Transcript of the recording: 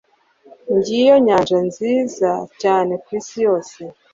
ngiyo nyanja nziza cyane kwisi yose